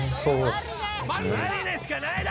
そうですね